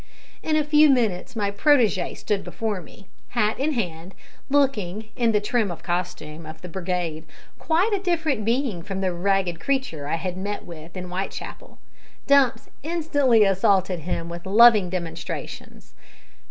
In a few minutes my protege stood before me, hat in hand, looking, in the trim costume of the brigade, quite a different being from the ragged creature I had met with in Whitechapel. Dumps instantly assaulted him with loving demonstrations.